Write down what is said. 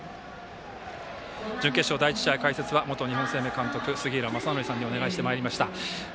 準決勝、第１試合、解説は元日本生命監督、杉浦正則さんにお願いしてまいりました。